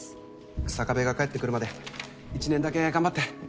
日下部が帰ってく１年だけ頑張って。